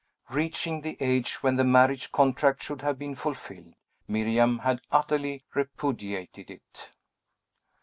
Reaching the age when the marriage contract should have been fulfilled, Miriam had utterly repudiated it.